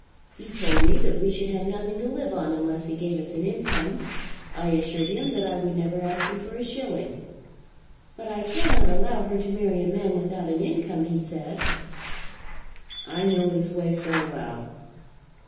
He told me that we should have nothing to live on unless he gave us an income. I assured him that I would never ask him for a shilling. 'But I cannot allow her to marry a man without an income,' he said." "I know his way so well."